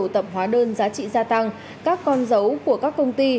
tập hóa đơn giá trị gia tăng các con dấu của các công ty